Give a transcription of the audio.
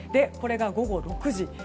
これが午後６時。